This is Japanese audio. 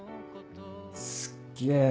すっげぇ。